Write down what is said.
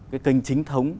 cái kênh chính thống